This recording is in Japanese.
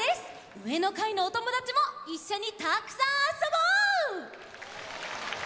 うえのかいのおともだちもいっしょにたくさんあそぼう！